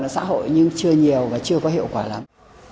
xã hội nhưng chưa nhiều và chưa có hiệu quả lắm